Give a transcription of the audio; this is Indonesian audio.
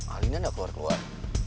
alina gak keluar keluar